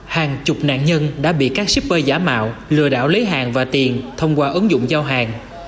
hàng chục nạn nhân đã bị các shipper giả mạo lừa đảo lấy hàng và tiền thông qua ứng dụng giao hàng